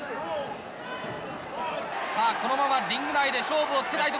このままリング内で勝負をつけたい。